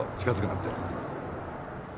近づくなって。